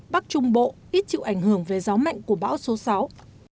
bắc trung bộ ít chịu ảnh hưởng về gió mạnh của bão số sáu